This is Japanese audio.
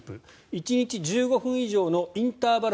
１日１０分のインターバル